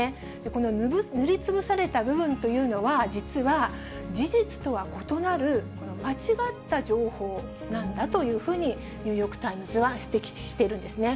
この塗りつぶされた部分というのは、実は事実とは異なる間違った情報なんだというふうに、ニューヨークタイムズは指摘しているんですね。